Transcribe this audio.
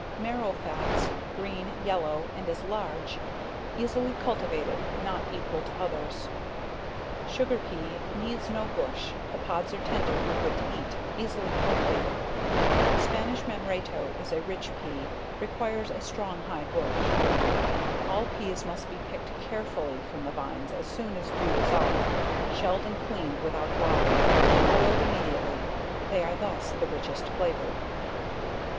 Marrow Fats, green, yellow, and is large, easily cultivated, not equal to others. Sugar Pea, needs no bush, the pods are tender and good to eat, easily cultivated. Spanish Manratto, is a rich Pea, requires a strong high bush. All Peas should be picked carefully from the vines as soon as dew is off, shelled and cleaned without water, and boiled immediately; they are thus the richest flavored.